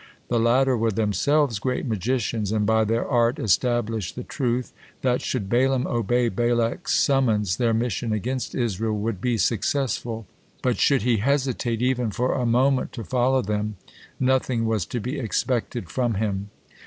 The latter were themselves great magicians, and by their art established the truth, that should Balaam obey Balak's summons, their mission against Israel would be successful, but should he hesitate even for a moment to follow them, nothing was to be expected from him.